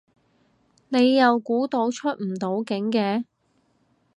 你又估到出唔到境嘅